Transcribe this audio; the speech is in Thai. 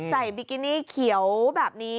บิกินี่เขียวแบบนี้